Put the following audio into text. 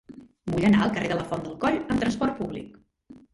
Vull anar al carrer de la Font del Coll amb trasport públic.